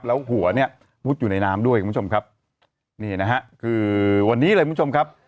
แล้วหัวเนี่ยมุดอยู่ในน้ำด้วยคุณผู้ชมครับนี่นะฮะคือวันนี้เลยคุณผู้ชมครับ